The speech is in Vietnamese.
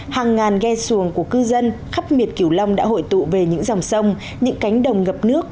hàng ngàn ghe xuồng của cư dân khắp miền kiều long đã hội tụ về những dòng sông những cánh đồng ngập nước